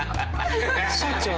社長。